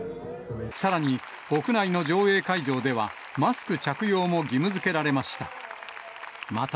さらに、屋内の上映会場では、マスク着用も義務づけられました。